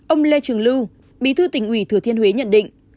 ông lê trường lưu bí thư tình quỷ thừa thiên huế nhận định